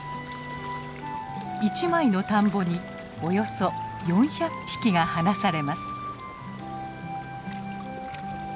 １枚の田んぼにおよそ４００匹が放されます。